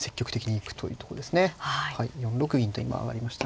４六銀と今上がりましたね。